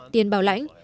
tiền bảo lãnh